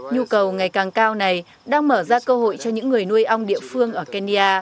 nhu cầu ngày càng cao này đang mở ra cơ hội cho những người nuôi ong địa phương ở kenya